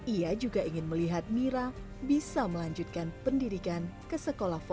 ia juga ingin melihat mira bisa melanjutkan pendidikan ke sekolah formal